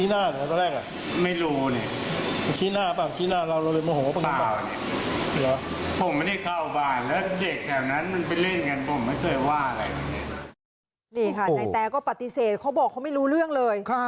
นี่ค่ะนายแตก็ปฏิเสธเขาบอกเขาไม่รู้เรื่องเลย